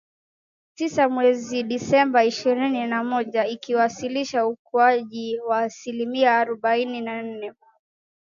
tisa mwezi Disemba ishirini na moja ikiwasilisha ukuaji wa asilimia arubaini na nne